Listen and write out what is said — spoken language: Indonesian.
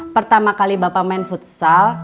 pertama kali bapak main futsal